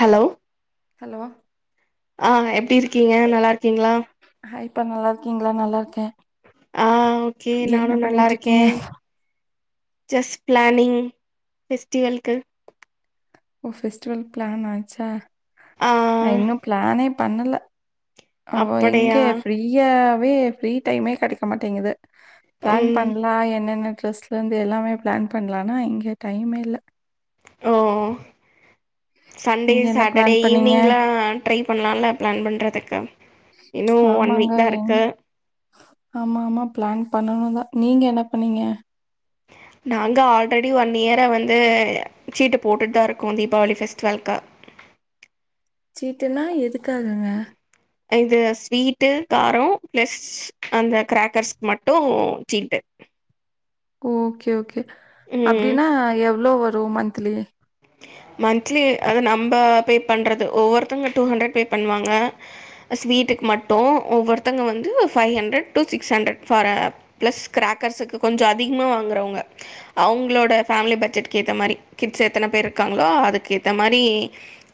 Hello hello ஆ எப்டி இருக்கீங்க நல்லா இருக்கீங்களா பா நல்லாருக்கீங்களா நல்லாருக்கே ஆ ஓகே நானு நல்லா இருக்கே இருக்கீங்க ஜஸ் பிளானிங் ஃபெஸ்டிவலுக்கு ஓ ஃபெஸ்டிவல் பிளான் ஆச்சா ஆ நா இன்னும் பிளானே பண்ணல அவ எங்க அப்படியா ஃப்ரீயா வே ஃப்ரீ டைமே கெடைக்க மாட்டேங்குது. பிளான் ம் பண்ணலா என்னென்னு டிரஸ்லருந்து எல்லாமே பிளான் பண்லானா எங்க டைமே இல்ல ஓ சண்டே நீங்க என்ன சாட்டர்டே பிளான் பண்ணீங்க ஈவி்னிங்லா ட்ரை இப்ப நல்லா பிளான் பண்றதுக்கு இன்னு ஒன் ஆமாங்க வீக் தா என் இருக்கு ஆமா ஆமா பிளான் பண்ணணுதா நீங்க என்ன பண்ணீங்க நாங்க ஆல்ரெடி ஒன் இயரா வந்து சீட்டு போட்டுட்டு தா இருக்கோ தீபாவளி ஃபெஸ்டிவலு்க்கு. சீட்டுனா எதுக்காகங்க இது ஸ்வீட்டு காரோ பிளஸ் அந்த கிரக்கர்ஸ்கு மட்டு சீட்டு ஓகே ஓகே ம் அப்டினா எவ்ளோ ஒரு ஓ மன்திலி மன்த்லி அத நம்ப பே பண்ணுறது ஒவ்வொருத்தங்க டூ ஹண்ட்ரட் பே பண்ணுவாங்க ஸ்வீட்டுக்கு மட்டு ஒவ்வொருத்தங்க வந்து five hundred to six hundred ஃபாரே ப்ளஸ் கிரக்கர்ஸுக்கு கொஞ்சோ அதிகமா வாங்குறவங்க அவங்களோட ஃபேமிலி பட்ஜெட்கு ஏத்த மாரி கிட்ஸ் செ எத்தனை பேர் இருக்காங்களோ அதுக்கு ஏத்த மாரி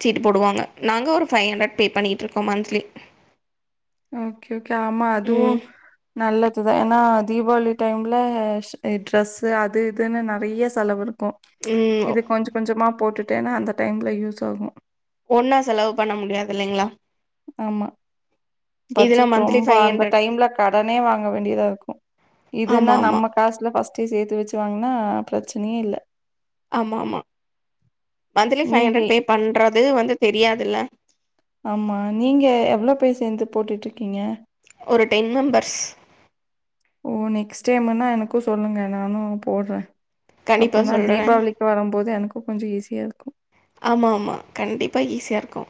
சீட்டு போடுவாங்க நாங்க ஒரு ஃபைவ் ஹண்ட்ரட் பே பண்ணிட்டு இருக்கோ மன்திலி ஓகே ஓகே ஆமா அதுவு நல்லதுதுான் ஏனா தீபாவளி டைம்ல ஸ் ட்ரெஸ்ஸு அது இதுன்னு நெறைய செலவு இருக்கு கோ ம் இது கொஞ்ச கொஞ்சமா போட்டு ட்டேனா அந்த டைம்ல யூஸ் ஆகு ஒன்னா செலவு பண்ண முடியாதில்லைங்களா ஆமா. பட்ஜெட் ரொம்ப அந்த டைம்ல கடனே வாங்க வேண்டியதா இருக்கு இதுன்னா ஆமாம் ஆமாம் நம்ம காசுல ஃபஸ்டே சேத்து வச்சு வாங்ன்னா பிரச்சனையே இல்ல ஆமா ஆமா மந்த்லி ஃபைவ் நீங்க ஹண்ட்ரட் பே பண்றது வந்து தெரியாதுல்ல ஆமா நீங்க எவ்வளோ பேர் சேந்து போட்டுட்டு ஒரு டென் மெம்பர்ஸ் ஓ நெக்ஸ்ட் டைம்னா எனக்கு சொல்லுங்க நானு போடுறே கண்டிப்பாக அப்போனா சொல்கிறேன் தீபாவளிக்கு வரும்போது எனக்கு கொஞ்சோ ஈஸியா இருக்கும் பா ஈசியா இருக்கும்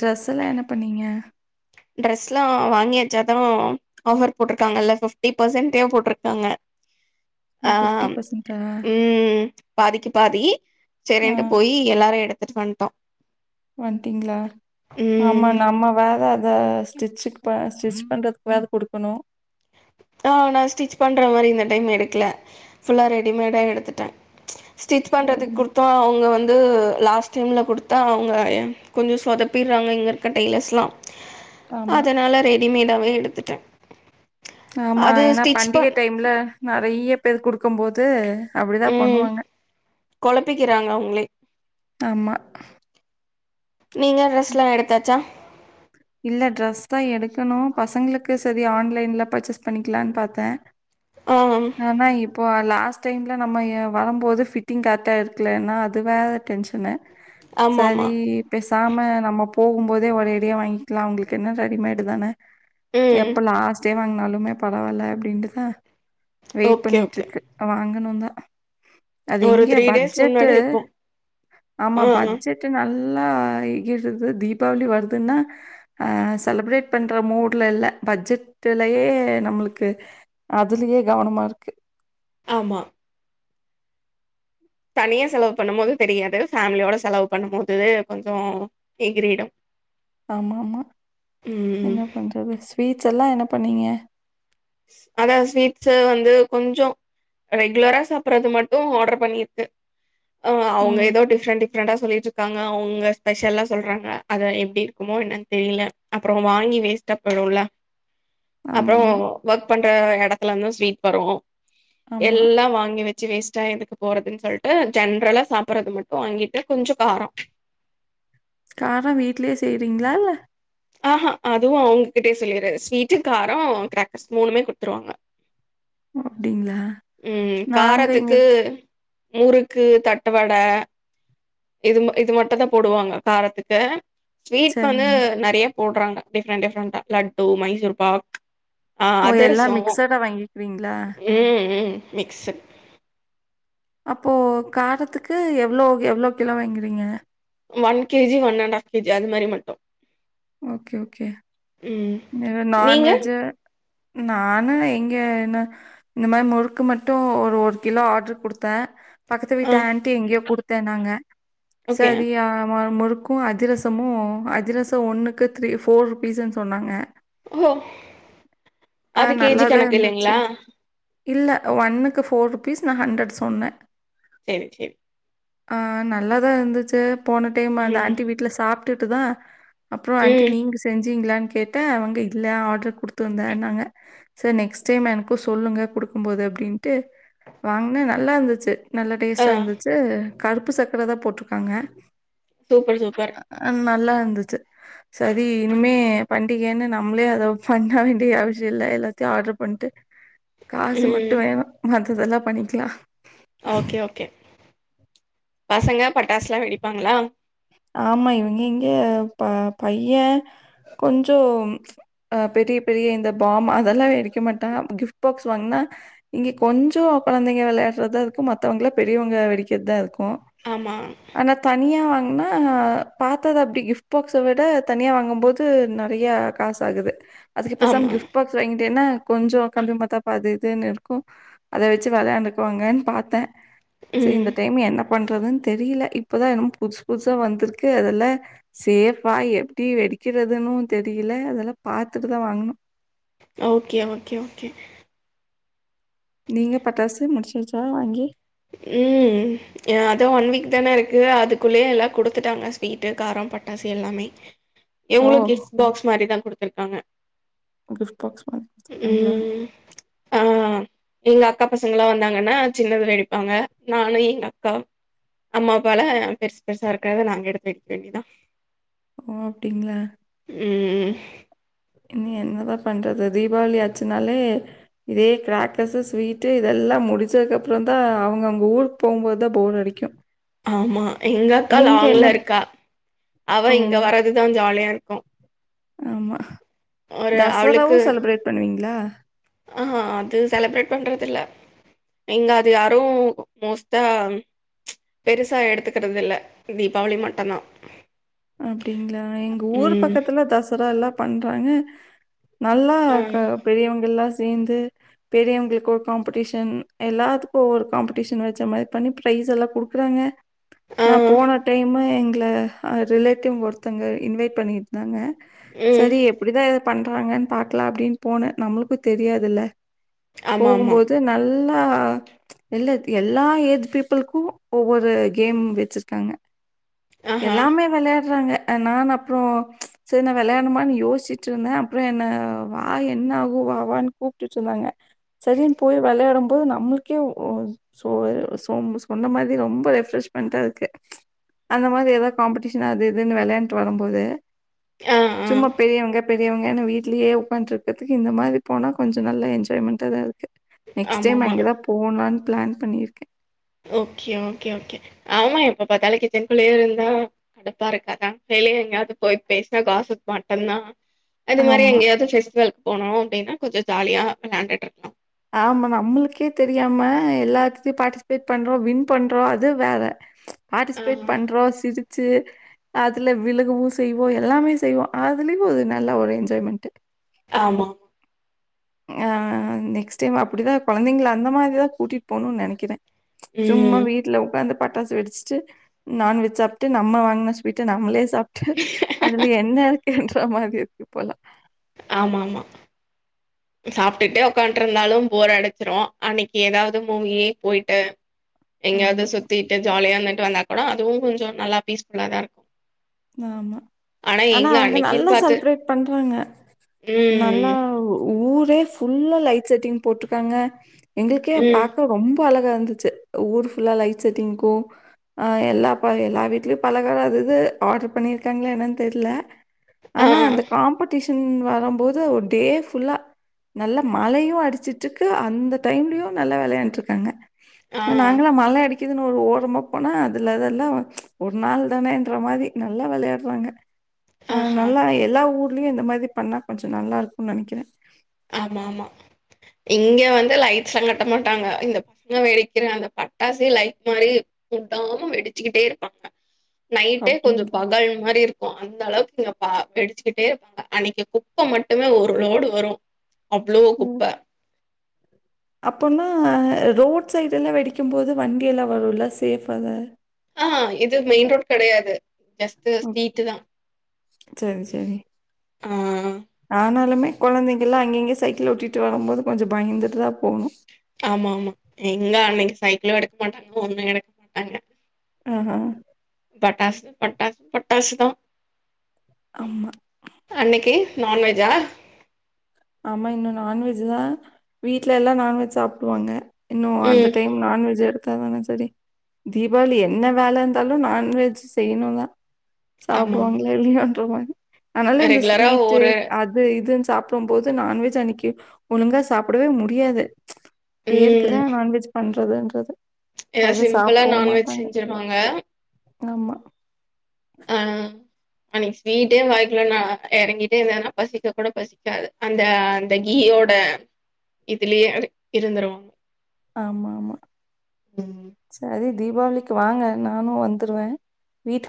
ட்ரெஸ்லா என்ன பண்ணீங்க ட்ரெஸ்லா வாங்கி வச்சா தா ஆஃபர் போட்டிருக்காங்கல்ல ஃபிப்டி பெர்சன்ட்டு போட்டிருக்காங்க ஓ ஆஹ் உம் பாதிக்கு பாதி ஆ சரின்ட்டு போயி எல்லாரு எடு துட்டு வண்ட்டோ வன்டீங்களா ஆமா நம்ம வேற அத ஸ்டிச்சு ப ஸ்டிச் பண்றதுக்கு வேற கொடுக்கணு ஆஹ் நா ஸ்டிச் பண்ற மாரி இந்த டைம் எடுக்கல ஃபுல்லா ரெடிமேடா எடுத்துட்டே ஸ்டிச் பண்றதுக்கு ரெடிமே கொடுத்தோ அவங்க வந் ந்து லாஸ்ட் டைம்ல கொடுத்தா அவங்க கொஞ்சோ சொதப்பிட்றாங்க இங்க இருக்கற டெய்லர்ஸ்லா ஆமா. அதனால ரெடிமேட் டாவே எடுத்துட்டே ஆமா ஏன்னா பண்டிகை டைம்ல நெறைய பேர் கொடுக்கும் போது அப்படிதா ம் பண்ணுவாங்க கொழப்பிக்கிறாங்க அவங்களே ஆமா நீங்க ட்ரெஸ்லா எடுத்தாச்சா இல்ல ட்ரெஸ் தான் எடுக்கணு. பசங்களுக்கு சரி ஆன்லைன்ல பர்சேஸ் பண்ணிக்கலானு பாத்தன் ஆ ஆனா இப்போ லா ஸ்ட்டைங்ல நம்ம வரும்போது ஃபிட்டிங் கரெக்டா இருக்கலனா அது வேற டென்ஷனு ஆமா ஆமா சரி பேஸ் சாம நம்ம போகும்போதே ஒரேடியா வாங்கிக்கலா அவங்களுக்கென்ன ரெடிமேடு தானே ம் எப்ப லாஸ்டே வாங்னாலு துமே பரவால அப்டின்ட்டுதா வெயிட் ஓகே பண்ணிடு ஓகே ருக்கு வாகணு [unintelligible] அது ஒரு எங்க த்ரீ டேஸ் பட்ஜெட்டு முன்னாடி இருப்போ ஆமா ஆ ஆ பட்ஜெட் நல் [unintelligible] தீபாவளி வருதுன்னா செலப்ரேட் பண்ற மூட்ல இல்ல பட்ஜெட்லயே நம்மளுக்கு அதுலயே கவனமா இருக்கு ஆமா தனியா செலவு பண்ணும் போது தெரியாது ஃபேமிலியோட செலவு பண்ணும் போது கொஞ்சம் எகிரீடும் ஆமாம்மா ம் என்ன பண்றது ஸ்வீட்ஸ் எல்லா என்ன பண்ணுங்க அதான் ஸ்வீட்ஸ் வந்து கொஞ்சோ ரெகுலரா சாப்படுறது மட்டும் ஆர்டர் பண்ணிருக்கு ஆஹ் அவங்க ம். ஏதோ டிபிரென்டி [unintelligible] சொல்லிட்டு இருக்காங்க அவங்க ஸ்பெஷல்லா சொல்றாங்க அதை எப்படி இருக்குமோ என்னு தெரியல அப்புறம் வாங்கி வேஸ்ட்டா போயிடும்ல அப்பு ஆமாமா. பண்ற இடத்துல இருந்து ஸ்வீட் வரோ ஆமா. ஆமா. எல்லாம் வாங்கி வச் வேஸ்டா எதுக்கு போறதுன்னு சொல்லிட்டு ஜென்ரலா சாப்படறது மட்டும் வாங்கிட்டு கொஞ்ச காரம் காரம் வீட்லயே செய்யறீங்களா இல்ல ஆஹா அதுவும் அவுங்ககிட்டயே சொல்லிற ஸ்வீட்டு காரோ கிராக்கர்ஸ் மூணுமே குடுத்துருவாங்க அப்டிங்களா? உம் நாங்க இங்க காரத்துக்கு முறுக்கு தட்டுவடை இது இது மட்டும் தா போடுவாங்க காரத்துக்கு ஸ்வீட் வந்து சரிங்க. நிறைய போடுறாங்க டிஃப்ரெண்ட் டிஃபரெண்டா லட்டு மைசூர் பாக் ஆஹ் ஓ! எல்லாம் அதிரசம் மிக்ஸடா வாங்கிக்குவீங்களா? உம் உம் மிக்ஸ் அப்போ காரத்துக்கு எவ்வளோ எவ்வளோ kilo வாங்கறீங்க one KG one and half KG அது மாரி மட்டும் ஓகே ஓகே நீங்க நான்வெஜ் நானு எங்க என்ன இந்த மாரி முறுக்கு மட்டு ஒரு ஒரு கிலோ ஆர்டரு கொடுத்தே பக்கத்து வீட்டு ஆ ஆண்டி எங்கயோ கொடுத் தேங்ககா ஓகே சரியாமா முறுக் முறுக்கு அதிரசமும் அதிரசம் ஒன்னுக்கு த்ரீ ஃபோர் ருபீஸ்ன்னு சொன்னாங்க [unintelligible] அது கேஜி கணக்கு இல்லைங்களா இல்லை ஒன்னுக்கு ஃபோர் ருபீஸ் நா ஹண்ரட் சொன்னேன் செரி செரி நல்லாதா இருந்துச்சே போன டைம் அந்த ம் ஆண்டி வீட்டுல சாப்பிட் விட்டுட்டு தா அப்புறம் ஆன்டி ம் நீங்க செஞ்சீங்களான் கேட்ட அவங்க இல்ல ஆடரு. குடுத்து வந்தன்னாங்க சேர் நெக்ஸ்ட் டைம் எனக்கு சொல்லுங்க குடுக்கும்போது அப்படின்ட்டு வாங்னா நல்லா இருந்துச்சு நல்ல ஆ டேஸ்ட்டாந்துச்சு. கருப்பு சக்கரதா போட்ருக்காங்க. சூப்பர் சூப்பர் அஹ்ன் நல்லா. ந்துச்சு சரி இனிமே பண்டிகனு நம்ளே அத. பண்ண வேண்டிய அவசிய இல்ல எல்லாத்தையும் ஆர்டர் பண்ட்டு. காசு மட்டு ம் வேணு அதெல்லாம் பண்ணிக்லா ஓகே ஓகே. பசங்க பட்டாசுலா வெடிப்பாங்களா. ஆம்மா இவங்க எங்க ப பைய கொஞ்சொம் அஹ் பெரிய பெரிய இந்த பாம் அதெல்லா வெடிக்க மாட்டாங்க கிஃப்ட் பாக்ஸ் வாங்னா இங்க கொஞ்ச கொழந்தைங்க வெளையாடுறதா இருக்கு மத்தவங்ளாம் பெரியவங்க வெடிக்கறதுதா இருக்கு கும் ஆமா ஆனாத்தனியா வாங். னா பாத்தது அப்டி கிஃப்ட் பாக்ஸ விட தனியா வாங்கம்போது நறையா காசு ஆகுது. அதுக்குப் பேசாம ஆமா கிஃப்ட் பாக்ஸ் வாங்கிட்டேனா. கொஞ்சம் கம்பிமத்தாப்பு அது இதுனு இருக்கு அத வச்சு வெளையாண்டுக்குவாங்கன் பாத்தே ஸெரி ம் இந்த டைம் என்னப். பண்றதுன் தெரியில இப்ப தா எனமோ புதுசு. புதுசா வந்திருக்கு அதெல்லா சேஃப்பா எப்டி வெடிக்கிறதுனும் தெரியில அதெலாம் பாத்துட்டு தான் வாங்கனும். Okay okay okay. நீங்க பட்டாசு முடிச். சாச்சா வாங்கி. ஹும் அதான் ஒன் வீக் தான இருக்கு அதுக்குள்ளயே எல்லாம் குடுத்துட்டாங்க ஸ்வீட்டு காரம் பட்டாசு எல்லாமே. ஓ! இவுங்களும் கிஃப்ட் பாக்ஸ் மாரி தா குடுத்துருக். காங்க. கிஃப்ட் பாக்ஸ் மாரி குடுத்ருகாங்ளா. ஆ எங்க அக்கா பசங்கலாம் வந்தாங்கன்னா சின்னது வெடி. ப்பாங்க நானு எங்க அக்கா அம்மா அப்பாலா பெருசு பெருசா இருக்கறத நாங்க எடுத்து வெடிக்க வேண்டியதா ஓஹ் அப்டிங்ளா. ம் ம். இனி என்னதா பண்றது தீபாவளி ஆச்சுனாலே இதே கிராக்கர்ஸூ ஸ்வீட்டு இதெல்லாம் முடிச்சதுக்கப்புறம் தான் அவுங்க அங்க ஊருக்கு போகும்போது தான் போர் அடிக்கு ஆமா எங்க அக்கா லாங்லருக்கா அவ இங்க வரதுதா ஜாலியா இருக். க்க ஆம்மாஹ். ஒரு ஆளுக்கு ஆஹ்ஹ அது செலிப்ரேட் பண்றதில்ல இங்க அது யாரும் மோஸ்டா ச் பெருசா எடுத்துக்கிறது இல்ல தீபாவளி மட்டுதான் அப்டிங்களா எங்க ஊர் பக்கத்துல தசரா ல்லா பண்றாங்க ஆ நல்லாருக்க பெரியவங்க எல்லாம் சேர்ந் சேர்ந்து பெரியவங்களுக்கு ஒரு காம்படிஷன் எல்லாத்துக்கும் ஒரு காம்படிஷன் வச்ச மாதிரி பண்ணி பிரைஸ் எல்லாம் கொடுக்குறாங்க ஆ நான் போன டைமு எங் ல அ ரிலேட்டிவ் ஒருத்தங்க இன்வைட் பண்ணியிருந்தாங்க ம் சரி எப்படிதான் பண்றாங்கன்னு பாக்கலாம் அப்படின்னு போன நம்மளுக்கும் தெரியாது இல்ல ஆமா ஆமா போகும்போது நல்லா இல்ல எல் எல்லா ஏஜ் பீப்பிளுக்கும் ஒவ்வொரு கேம் வெச்சிருக்காங்க ஆஹா எல்லாமே றாங்க நான் அப்புறம் செரி நா விளையாடுமான்னு யோசிச்சுட்டு இருந்தேன் அப்புறம் என்ன வா என்ன ஆகும் வா வாான்னு கூப்பிட்டுட்டு இருந்தாங்க சரின்னு போய் விளையாடும் போது நம்மளுக்கே சொ சொ சொன்ன மாதிரி ரொம்ப ரெஃப்ரெஷ்மெண்டா இருக்கு ம்ச் அந்த மாதிரி ஏதா காம்படி ஷன் அது இதுன்னு விளையாண்டுட்டு வரும் போது ஆ ஆ சும்மா பெரியவங்க பெரிய பெரியவங்க ஏன்னா வீட்லேயே உட்காட்டு இருக்கதுக்கு இந்த மாதிரி போனா கொஞ்சம் நல்ல என்ஜாய்மெண்ட்டா தான் இருக் நெக்ஸ்ட் டைம் ஆமாமா அங்கேதான் போலான்னு பிளான் பண்ணியிருக்கேன் ஓகே ஓகே ஓகே ஆமா எப்ப பாத்தாலும் கிச்சனுக்குள்ளயே இருந்தா கடுப்பா இருக்காதான் வெளிய எங்கேயாவது போய் பேசினா காசிப் மட்டும்தான் அது மாதிரி ஆமா. எங்கேயாவது ஃபெஸ்டிவல்குக்கு போனோம் அப்படின்னா கொஞ்சம் ஜாலியா விழாண்டுட்டு இருக்கலாம் ஆமா நம்மளுக்கே தெரியாம எல்லாத்தையும் பார்ட்டிசிபேட் பண்றோம் வின் பண்றோம் அது வேற ச் ஆ பார்டிசிபேட் பண்றோ சி ச்சு அதுல விழுகுவோ செய்வோம் எல்லாமே செய்வோம் அதுலயே ஒரு நல்ல ஒரு என்ஜாய்மெண்ட் ஆமா ஆஹ் நெக்ஸ்ட் டைம் அப்படிதான் கொழந்தைங்கள அந்த மாதிரிதான் கூட்டிட்டு போணும்னு நெனைக்கிறேன் சும்மா ம் வீட்டுல உக்காந்து பட்டாசு வெடிச்சுட்டு நான்வெஜ் சாப்பிட்டு நம்ம வாங்கின ஸ்வீட்ட நம்மளே சா சாப்பிட்டு அதுல என்ன இருக்குன்ற மாதிரி க்கு போலாம் ஆமா ஆமா சாப்பிட்டுட்டு உக்கான்டு இருந்தாலும் போர் அடைச்சிரும் அன்னைக்கு ஏதாவது மூவி போயிட்டு எங்கேயாவது ஆமா, சுத்திட்டு ஜாலியா போய்ட்டு வந்தா கூட அதுவும் கொஞ்சம் நல்லா பீஸ்ஃபுல்லா தான் இருக்கும் ஆமா ஆனா அவங்க அன்னைக்குன்னு நல்லா பாத்து செலிப்ரேட் பண்றாங்க நல்லா ம் ஊர் பேஸ் ஃபுல்லா லைட் செட்டிங் போட்டிருக்காங்க எங்களுக்கே ம் பாக்க ரொம்ப ப அழகா இருந்துச்சு ஊர் ஃபுல்லா லைட் செட்டிங்கு எல்லா எல்லார் வீட்லயு பலகார அது இது ஆர்டர் பண்ணியிருக்காங்களா என்னன்னு தெரியல ஆ ஆனா அந்த காம்படிஷன் வரம்போது ஒரு டே ஃபுல்லா நல்லா மழையு அடிச்சுட்டு இருக்கு அந்த டைம்லையு நல்லா வெளையாண்டுட்டு இருக்காங்க ஆ நாங்களா மழ அடிக் க்குது னு ஒரு ஓரமாபோனா அதுலெதல்லா ஒரு நாள் தானேன்ற மாரி நல்லா விளையாடறாங்க அஹ் ஆஹா நல்லா எல்லா ஊர் நீ அந்த மாரி பண்ணா கொஞ்சோ நல்லா இருக்குனு நெனைக்கிற ஆமாமா இங்க வந்து லைட்ஸ் சங்கட்ட மாட்டாங்க இந்த பசங்க வெடிக்குற அந்த பட்டாசே லைட்ஸ் மாரி வுடாம வெடிசுகிட்டே இருப்பாங்க நைட்டே கபடி கொஞ்சோ பகல் மாறி இருக் போ அந்த அளவுக் இங்க பா வெடிசுகிட்டே இருப்பாங்க அன்னைக்கி குப்ப மட்டுமே ஒரு லோடு வரு அவ்ளோ குப்ப அப்போனா ரோட் சைடு எல்லா வெடிக்கு போது வண்டி எல்லா வருல சேஃபாதா ஆஹ் இது மெயின் ரோட் கெடையாது ஜஸ்ட் உம் ஸ்ட்ரீட் தான். சேரி சேரி ஆ ஆனாலுமே கொழந்தைகள்லா அங்கிங்யு சைக்கிள் ஓட்டிட்டு வருபோது கொஞ்சோ பயந்துட்டுதா போணு ஆம்மாமா எங்க அன்னைக்கி சைக்கிளு எடுக்க மாட்டா ஒண்ணு எடுக்க மாட்டாங்க ஆஹா பட்டாசு பட்டாசு பட்டாசுதா ஆமா. அன்னைகி நான்வெஜா ஆமா இன்னு நாான்வெஜ் தா வீட்ல எல்லா நான்வெஜ் சாப்டுவாங்க இன்னு அந்த ம் டைம் நான்வெஜ் எடுத்தாத நினச் செரி தீபாளி என்ன வேலந் [inaudible] நான்வெஜ் செய்யுனுந் தா ஆமாமா. சாப்டுவாங்களா இல்லையன்றமா அதனால இந்த ரெகுலரா ஸ்வீட்டு ஒரு அது இதுன்னு சொ சாப்டும் போது நான்வெஜ் அன்னிக்கி ஒழுங்கா சாப்டவே முடியாது பேருக்கு தா நான்வெஜ் பண் [unintelligible] ஏதா சிம்புளா நான்வெஜ் செஞ்சிருவாங்க ஆமா ஆ எனக்கு ஸ்வீட்டே வாய்க்குல நா எறங்கிட்டே இருந்தன்னா பசிக்க கூட பசிக்காது அந்த அந்த கீயோட இதுலயே இருந்துருவாங் ஆமா ஆமா சரிப் தீபாவளிக்கு வாங்க நானு வந்துருவே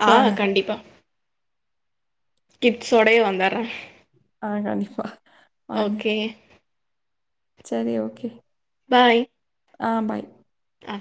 ஆ கண்டிப்பா கிட்ஸோடயே வந்தறோ ஆ கண்டிப்பா வாங்க. ஓகே சரி ஓகே பாய் ஆ பாய் ஆ